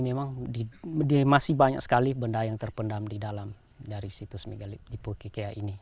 memang masih banyak sekali benda yang terpendam di dalam dari situs megalitik